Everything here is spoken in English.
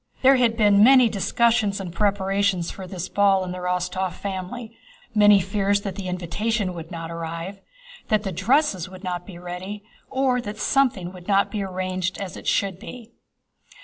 There had been many discussions and preparations for this ball in the Rostóv family, many fears that the invitation would not arrive, that the dresses would not be ready, or that something would not be arranged as it should be.